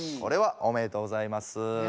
ありがとうございます。